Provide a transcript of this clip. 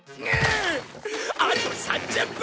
あと３０分！